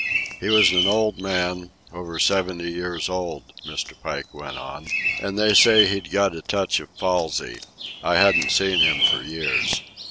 "He was an old man, over seventy years old," Mr. Pike went on. "And they say he'd got a touch of palsy—I hadn't seen him for years.